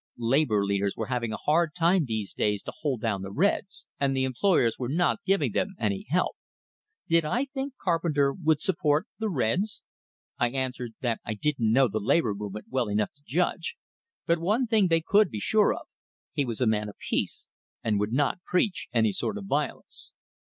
Labor leaders were having a hard time these days to hold down the "reds," and the employers were not giving them any help. Did I think Carpenter would support the "reds"? I answered that I didn't know the labor movement well enough to judge, but one thing they could be sure of, he was a man of peace, and would not preach any sort of violence.